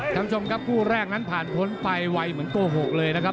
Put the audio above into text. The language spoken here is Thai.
ท่านผู้ชมครับคู่แรกนั้นผ่านพ้นไปไวเหมือนโกหกเลยนะครับ